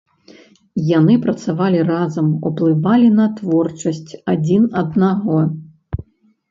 Яны працавалі разам, уплывалі на творчасць адзін аднаго.